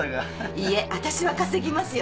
いえ私は稼ぎますよ。